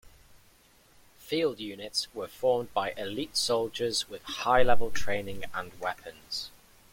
Field units were formed by elite soldiers with high-level training and weapons.